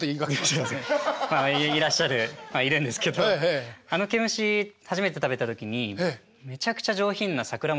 まあいらっしゃるまあいるんですけどあのケムシ初めて食べた時にめちゃくちゃ上品な桜餅の味がして。